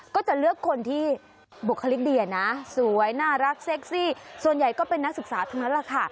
ก็จะเลือกคนที่บุคลิกดีนะสวยน่ารักเซ็กซี่ส่วนใหญ่ก็เป็นนักศึกษาทั้งนั้นแหละค่ะ